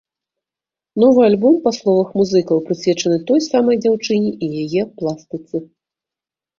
Новы альбом, па словах музыкаў, прысвечаны той самай дзяўчыне і яе пластыцы.